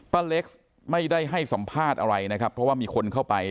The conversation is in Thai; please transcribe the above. เล็กซ์ไม่ได้ให้สัมภาษณ์อะไรนะครับเพราะว่ามีคนเข้าไป